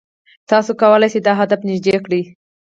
تاسو کولای شئ دا هدف نږدې کړئ.